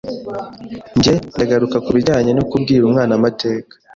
nge ndagaruka kubijyanye no kubwira umwana amateka